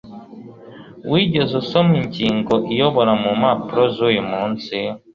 wigeze usoma ingingo iyobora mu mpapuro zuyu munsi